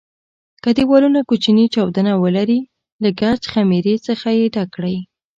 که دېوالونه کوچني چاودونه ولري له ګچ خمېرې څخه یې ډک کړئ.